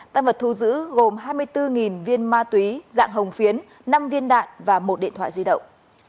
tăng vật thu giữ gồm hai mươi bốn viên ma túy dạng hồng phiến năm viên đạn và một điện thoại di động